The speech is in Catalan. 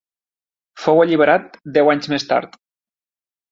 Fou alliberat deu anys més tard.